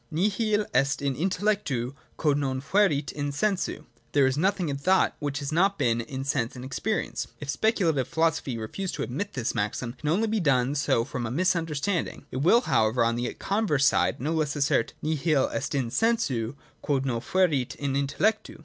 ' Nihil est in intellectu quod non fuerit in sensu': there is nothing in thought which has not been in sense and experience. If speculative philosophy refused to admit this maxim, it can only have done so from a misunderstanding. It will, however, on the converse side no less assert :' Nihil est in sensu quod non fuerit in intellectu.'